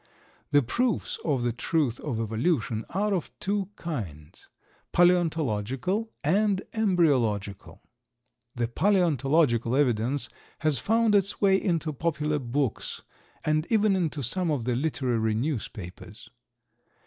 The proofs of the truth of Evolution are of two kinds—palaeontological and embryological. The palaeontological evidence has found its way into popular books, and even into some of the literary newspapers.